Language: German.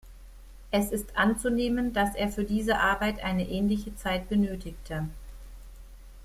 Es ist anzunehmen, dass er für diese Arbeit eine ähnliche Zeit benötigte.